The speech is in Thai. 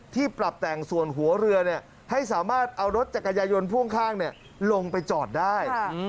ปรับแต่งส่วนหัวเรือให้สามารถเอารถจักรยายนพ่วงข้างลงไปจอดได้